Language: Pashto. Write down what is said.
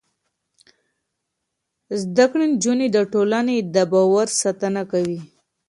زده کړې نجونې د ټولنې د باور ساتنه کوي.